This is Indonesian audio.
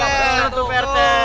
betul tuh prt